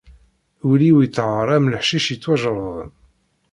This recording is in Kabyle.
Ul-iw ittɣar am leḥcic yettwajerrḍen.